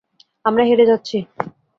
আমরা হেরে যাচ্ছি!